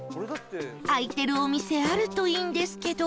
開いてるお店あるといいんですけど